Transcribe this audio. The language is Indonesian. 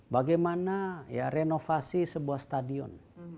bagaimana ya renovasi sebuah stadion